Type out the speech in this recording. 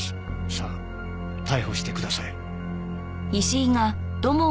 さあ逮捕してください。